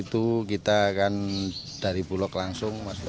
itu kita akan dari bulog langsung masuk